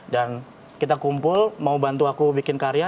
dan kita kumpul mau bantu aku bikin karya